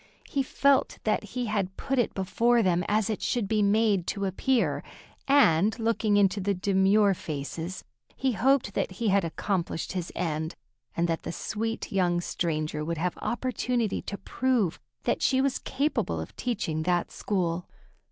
He felt that he had put it before them as it should be made to appear, and, looking into the demure faces, he hoped that he had accomplished his end, and that the sweet young stranger would have opportunity to prove that she was capable of teaching that school.